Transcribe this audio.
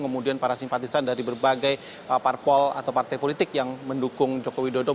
kemudian para simpatisan dari berbagai parpol atau partai politik yang mendukung jokowi dodo